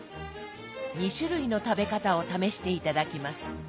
２種類の食べ方を試して頂きます。